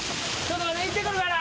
俺行ってくるから。